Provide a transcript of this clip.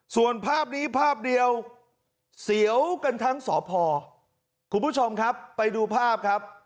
ส่วนภาพนี้ภาพเดียวเสียวกันทั้งสพคุณผู้ชมครับไปดูภาพครับ